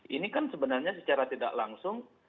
ini kan sebenarnya secara tidak langsung